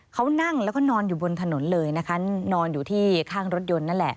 เขานั่งแล้วก็นอนอยู่บนถนนเลยนะคะนอนอยู่ที่ข้างรถยนต์นั่นแหละ